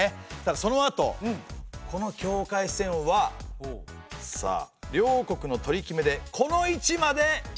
そのあとこの境界線はさあ両国の取り決めでこの位置までずれました。